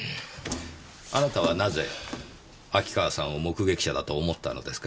あなたはなぜ秋川さんを目撃者だと思ったのですか？